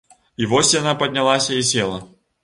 І вось яна паднялася і села.